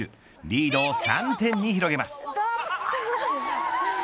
リードを３点に広げます。